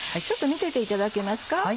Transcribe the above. ちょっと見てていただけますか。